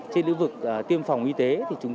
trên lĩnh vực tiêm phòng y tế